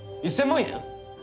１，０００万円！？